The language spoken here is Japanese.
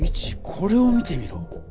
これを見てみろ。